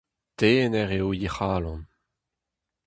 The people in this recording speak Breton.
Tener eo he c'halon.